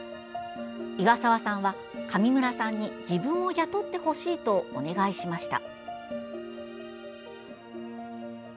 岩沢さんは、上村さんに自分を雇ってほしいとお願いしました。